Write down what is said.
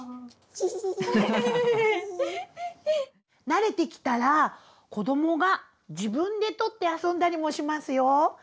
慣れてきたら子どもが自分でとって遊んだりもしますよ！